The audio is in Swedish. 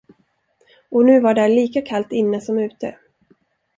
Och nu var där lika kallt inne som ute.